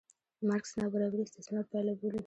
مارکس نابرابري استثمار پایله بولي.